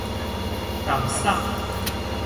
啖糝